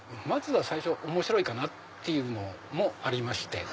最初は面白いかなっていうのもありまして。